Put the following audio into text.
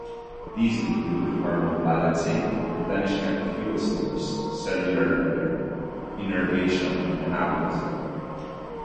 These include: hormone balancing, replenishment of fuel stores, cellular repair, innervation and anabolism.